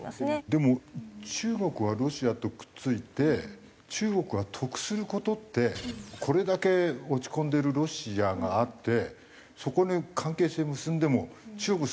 でも中国はロシアとくっついて中国が得する事ってこれだけ落ち込んでるロシアがあってそこに関係性結んでも中国